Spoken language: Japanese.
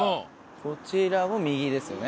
こちらを右ですね。